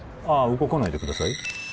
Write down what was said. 動かないでください